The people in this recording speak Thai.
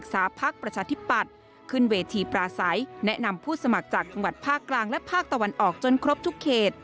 สมัครจากจังหวัดภาคกลางและภาคตะวันออกจนครบทุกเขต